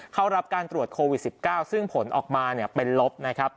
เข้ารับการตรวจโควิด๑๙ซึ่งผลออกมาเป็นลบ